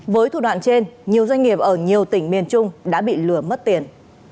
với thủ đoạn trên nhiều doanh nghiệp ở nhiều tỉnh miền trung đã bị lừa mất tiền